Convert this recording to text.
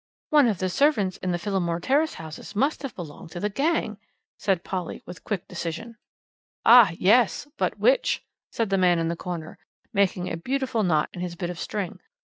"One of the servants in the Phillimore Terrace houses must have belonged to the gang," said Polly with quick decision. "Ah, yes! but which?" said the man in the corner, making a beautiful knot in his bit of string.